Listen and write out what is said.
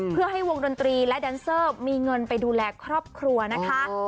เพื่อให้วงดนตรีและแดนเซอร์มีเงินไปดูแลครอบครัวนะคะ